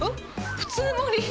普通盛り？